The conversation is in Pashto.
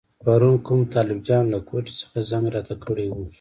پرون کوم طالب جان له کوټې څخه زنګ راته کړی وو.